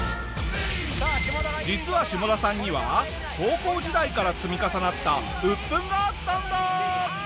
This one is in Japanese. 実はシモダさんには高校時代から積み重なった鬱憤があったんだ！